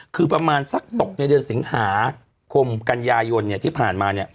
คือประมาณสักตกในเดือนสิงหาคมกันยายนที่ผ่านมา